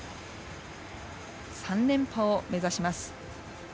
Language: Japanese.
３連覇を目指します。